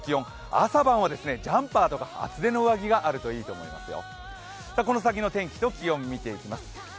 朝晩はジャンパーとか厚手の上着があるといいと思いますよ。